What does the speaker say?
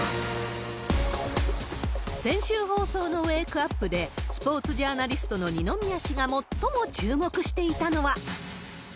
先週放送のウェークアップで、スポーツジャーナリストの二宮氏が最も注目していたのは。